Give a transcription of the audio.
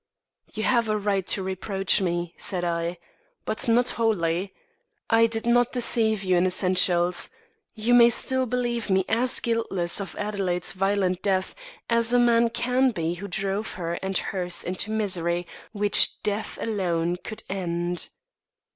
"You have a right to reproach me," said I, "but not wholly. I did not deceive you in essentials. You may still believe me as guiltless of Adelaide's violent death as a man can be who drove her and hers into misery which death alone could end."